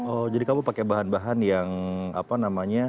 oh jadi kamu pakai bahan bahan yang apa namanya